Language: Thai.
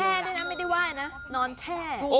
แช่ด้วยนะไม่ได้ว่ายนะนอนแช่